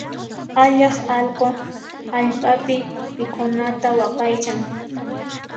Allaq allqu hallp'api mikhunanta waqaychan.